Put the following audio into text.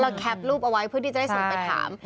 แคปรูปเอาไว้เพื่อที่จะได้ส่งไปถาม